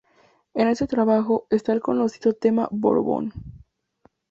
En este trabajo está el conocido tema Bourbon.